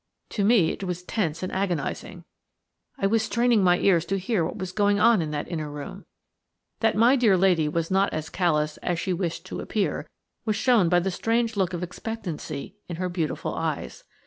To me it was tense and agonising. I was straining my ears to hear what was going on in that inner room. That my dear lady was not as callous as she wished to appear was shown by the strange look of expectancy in her beautiful eyes.